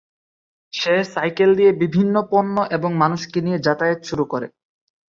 সে cycle দিয়ে বিভিন্ন পণ্য এবং মানুষকে নিয়ে যাতায়াত শুরু করে।